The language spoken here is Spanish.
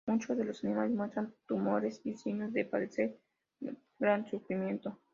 Muchos de los animales muestran tumores y signos de padecer gran sufrimiento.